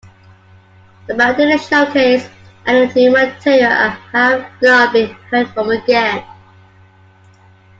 The band didn't showcase any new material and have not been heard from again.